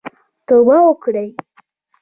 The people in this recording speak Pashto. توبه وکړئ